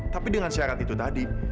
tapi dengan syarat itu tadi